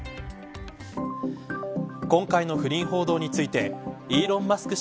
今回の不倫報道についてイーロン・マスク